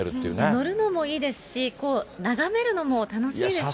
乗るのもいいですし、眺めるのも楽しいですよね。